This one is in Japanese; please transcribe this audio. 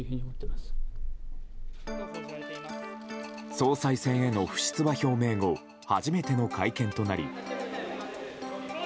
総裁選への不出馬表明後初めての会見となり。